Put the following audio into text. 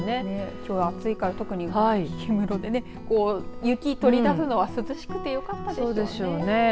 きょうは暑いから特に氷室で雪を取り出すのは涼しくてよかったでしょうね。